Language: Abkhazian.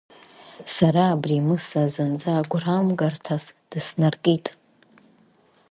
Сара абри Мыса зынӡа гәрамгарҭас дыснаркит.